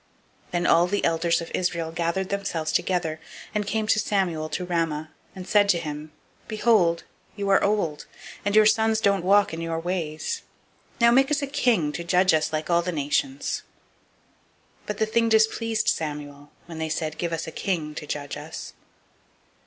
008:004 Then all the elders of Israel gathered themselves together, and came to Samuel to Ramah; 008:005 and they said to him, Behold, you are old, and your sons don't walk in your ways: now make us a king to judge us like all the nations. 008:006 But the thing displeased Samuel, when they said, Give us a king to judge us.